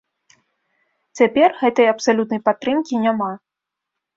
Цяпер гэтай абсалютнай падтрымкі няма.